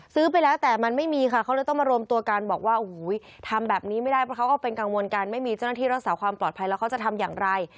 ซื้อไปแล้วแต่มันไม่มีค่ะเขาเลยต้องมารวมตัวกันบอกว่าโอ้โหทำแบบนี้ไม่ได้เพราะเขาก็เป็นกังวลกันไม่มีเจ้าหน้าที่รักษาความปลอดภัยแล้วเขาจะทำอย่างไร